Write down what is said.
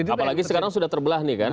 apalagi sekarang sudah terbelah nih kan